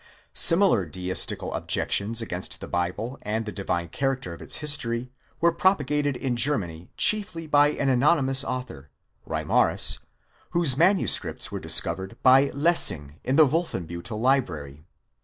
. Similar deistical objections against the Bible, and the divine character of its history, were propagated in Germany chiefly by an anonymous author (Reimarus) whose manuscripts were discovered by Lessing in the Wolfenbiittel library.